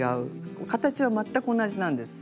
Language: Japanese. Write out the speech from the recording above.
形は全く同じなんです。